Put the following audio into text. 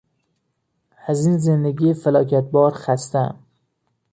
از این زندگی فلاکت بار خستهام.